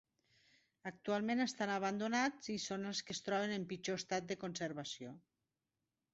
Actualment estan abandonats i són els que es troben en pitjor estat de conservació.